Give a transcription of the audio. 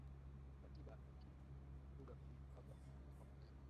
katiba lakini lugha kumi na moja nyingine pamoja na